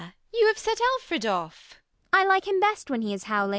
you have set Alfred off. ELLIE. I like him best when he is howling.